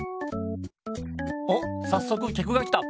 おっさっそくきゃくが来た。